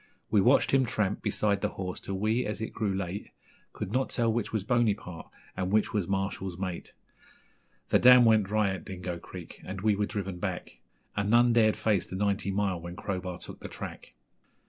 We watched him tramp beside the horse till we, as it grew late, Could not tell which was Bonypart and which was Marshall's mate. The dam went dry at Dingo Creek, and we were driven back, And none dared face the Ninety Mile when Crowbar took the track.